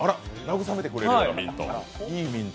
慰めてくれるミント。